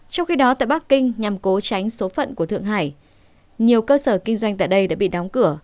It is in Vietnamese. trong khi đó tại bắc kinh nhằm cố tránh số phận của thượng hải nhiều cơ sở kinh doanh tại đây đã bị đóng cửa